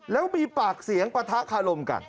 แล้วมีปากเสียงปะทะคารมกัน